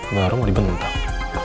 baru mau dibentang